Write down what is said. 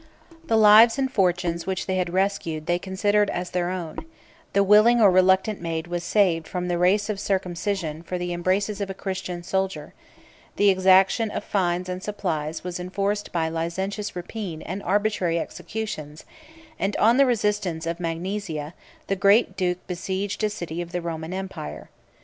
479 The lives and fortunes which they had rescued they considered as their own: the willing or reluctant maid was saved from the race of circumcision for the embraces of a Christian soldier: the exaction of fines and supplies was enforced by licentious rapine and arbitrary executions; and, on the resistance of Magnesia, the great duke besieged a city of the Roman empire.